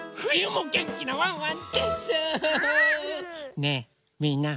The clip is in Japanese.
ねえみんな。